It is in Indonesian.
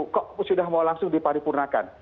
kok sudah mau langsung diparipurnakan